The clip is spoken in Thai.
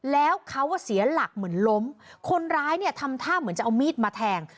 แล้วเขาเสียหลักเหมือนล้มคนร้ายเนี่ยทำท่าเหมือนจะเอามีดมาแทง